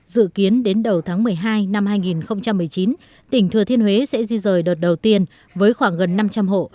dự kiến đến đầu tháng một mươi hai năm hai nghìn một mươi chín tỉnh thừa thiên huế sẽ di rời đợt đầu tiên với khoảng gần năm trăm linh hộ